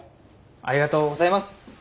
ありがとうございます。